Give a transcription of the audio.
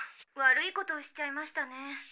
悪いことしちゃいましたね。